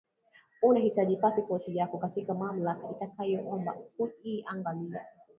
Unahitaji pasipoti yako kama mamlaka itakayoomba kuiangalia